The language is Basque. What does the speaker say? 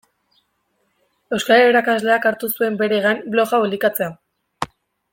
Euskara irakasleak hartu zuen bere gain blog hau elikatzea.